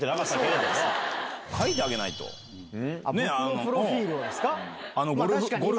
僕のプロフィールをですか？